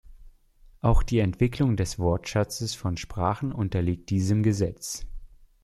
Auch die Entwicklung des Wortschatzes von Sprachen unterliegt diesem Gesetz.